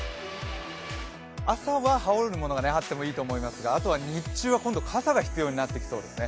朝は羽織るものがあってもいいと思いますがあとは日中は今度、傘が必要になってきそうですね。